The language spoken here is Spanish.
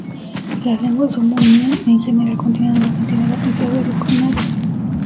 Las lenguas hmong-mien en general contienen una cantidad apreciable de cognados.